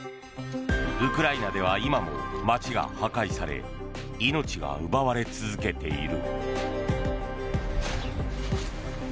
ウクライナでは今も街が破壊され命が奪われ続けている。